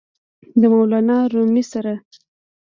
د مولانا رومي سره!!!